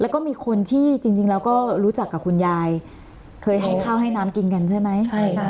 แล้วก็มีคนที่จริงแล้วก็รู้จักกับคุณยายเคยให้ข้าวให้น้ำกินกันใช่ไหม